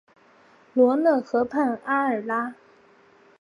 罗讷河畔阿尔拉。